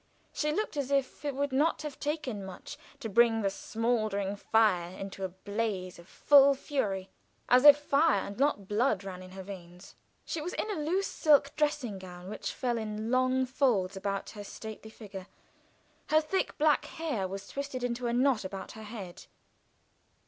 She looked as if it would not have taken much to bring the smoldering fire into a blaze of full fury as if fire and not blood ran in her veins. She was in a loose silk dressing gown, which fell in long folds about her stately figure. Her thick black hair was twisted into a knot about her head.